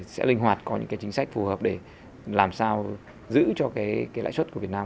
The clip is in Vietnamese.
sẽ linh hoạt có những chính sách phù hợp để làm sao giữ cho lãi xuất của việt nam